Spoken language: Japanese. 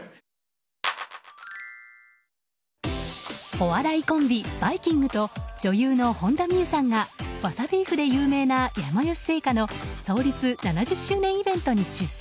お笑いコンビ、バイきんぐと女優の本田望結さんがわさビーフで有名な山芳製菓の創立７０周年イベントに出席。